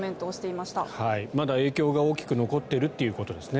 まだ影響が大きく残っているということですね。